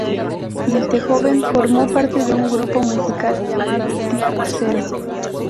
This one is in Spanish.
Desde joven formó parte de un grupo musical, llamado "Tierra Cero".